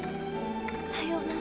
さようなら。